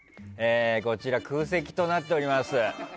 こちら空席となっております。